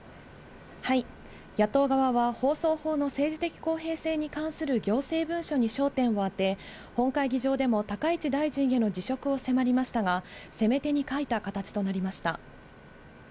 野党側は、放送法の政治的公平性に関する行政文書に焦点を当て、本会議場でも高市大臣への辞職を迫りましたが、攻め手に欠いた形となりました。